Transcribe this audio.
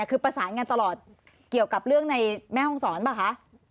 คือประสานกันตลอดเกี่ยวกับเรื่องในแม่ห้องศรป่ะคะ